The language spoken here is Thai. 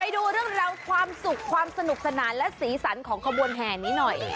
ดูเรื่องราวความสุขความสนุกสนานและสีสันของขบวนแห่นี้หน่อย